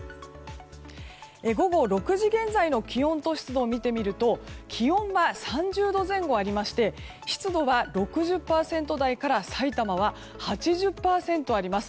午後６時現在の気温と湿度を見てみると気温は３０度前後ありまして湿度は６０％台からさいたまは８０％あります。